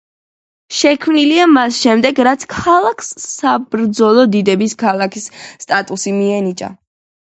შექმნილია მას შემდეგ, რაც ქალაქს საბრძოლო დიდების ქალაქის სტატუსი მიენიჭა.